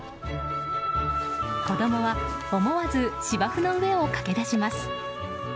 子供は思わず芝生の上を駆け出します。